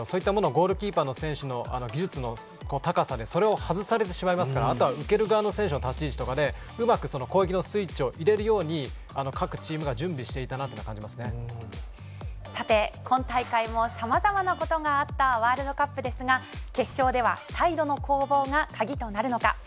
そういったタイミングなんですがそういったものゴールキーパーの技術の高さでそれを外されてしまいますから受ける側の選手の立ち位置とかうまく攻撃のスイッチを入れるように各チームがさて、今大会もさまざまなことがあったワールドカップですが決勝ではサイドの攻防が鍵となるのか。